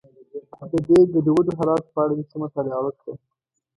د دې ګډوډو حالاتو په اړه مې څه مطالعه وکړه.